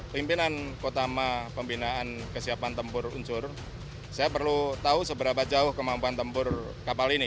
pimpinan kotama pembinaan kesiapan tempur unsur saya perlu tahu seberapa jauh kemampuan tempur kapal ini